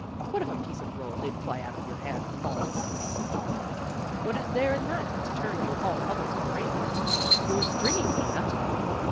What if a piece of roll did fly out of your hand and fall into some body's coffee cup! What is there in that to turn you all colors of the rainbow? You're stringing me, that's all."